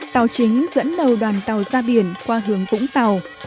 tàu chính dẫn đầu đoàn tàu ra biển qua hướng vũng tàu